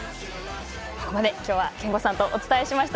ここまで今日は憲剛さんとお伝えしました。